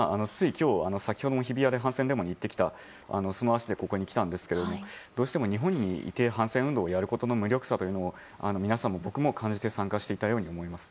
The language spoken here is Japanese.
先ほども日比谷で反戦デモに行ってきたその足でここに来たんですけどどうしても日本にいて反戦運動することの無力さを皆さんも僕も感じて参加していたように思います。